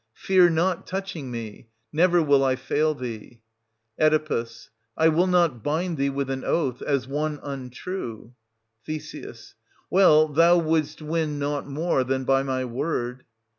Fear not touching me ; never will I fail thee. Oe. I will not bind thee with an oath, as one 650 untrue. Th. Well, thou wouldst win nought more than by my word.